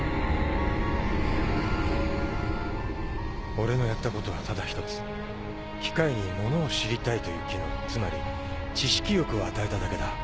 俺のやったことはただ１つ機械にものを知りたいという機能つまり知識欲を与えただけだ。